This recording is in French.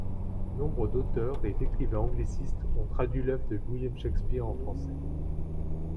Nombre d'auteurs et d'écrivains anglicistes ont traduit l'œuvre de William Shakespeare en français.